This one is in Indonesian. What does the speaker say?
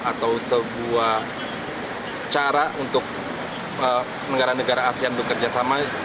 atau sebuah cara untuk negara negara asean untuk kerjasama